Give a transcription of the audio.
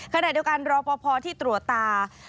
ขณะเดียวกันรอปภที่ตรวจตา